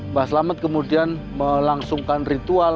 mbah selamet kemudian melangsungkan ritual